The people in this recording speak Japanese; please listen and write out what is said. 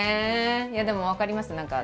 いやでも分かります何か。